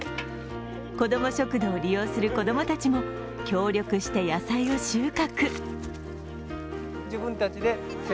子ども食堂を利用する子供たちも協力して野菜を収穫。